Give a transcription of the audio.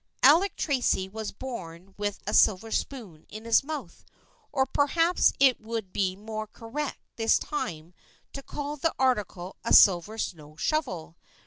Alec Tracy was born with a silver spoon in his mouth, or perhaps it would be more correct this time to call the article a silver snow shovel.